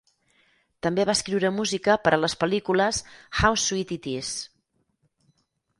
També va escriure música per a les pel·lícules How Sweet It Is!